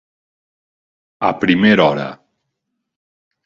A primera hora.